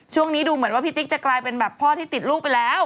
ช่วงนี้ดูเหมือนว่าพี่ติ๊กจะกลายเป็นแบบพ่อที่ติดลูกไปแล้ว